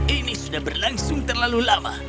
ini sudah berlangsung terlalu lama